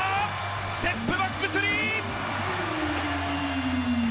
ステップバックスリー。